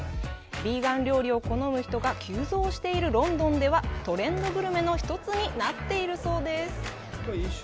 ビーガン料理を好む人が急増しているロンドンではトレンドグルメの一つになっているそうです。